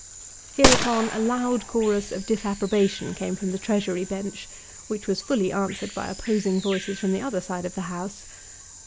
Hereupon a loud chorus of disapprobation came from the Treasury bench, which was fully answered by opposing noises from the other side of the House.